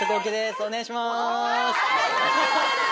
お願いします